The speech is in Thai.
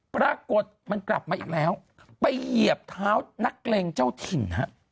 ปรากฏมันกลับมาอีกแล้วไปเหยียบเท้านักเลงเจ้าถิ่นฮะ